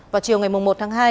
vào chiều ngày một tháng hai